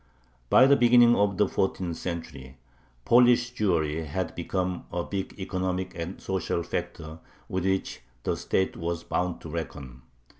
By the beginning of the fourteenth century Polish Jewry had become a big economic and social factor with which the state was bound to reckon.